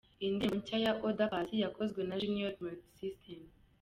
Iyi ndirimbo nshya ya Oda Paccy yakozwe na Junior Multisystem.